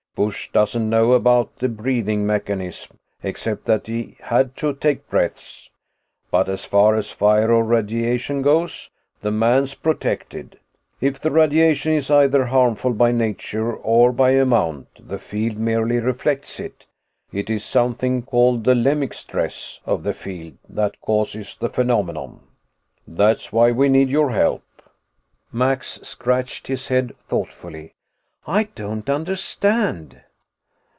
Busch doesn't know about the breathing mechanism, except that he had to take breaths. But as far as fire or radiation goes, the man's protected. If the radiation is either harmful by nature or by amount, the field merely reflects it. It is something called the 'lemic stress' of the field that causes the phenomenon. "That's why we need your help." Max scratched his head thoughtfully. "I don't understand."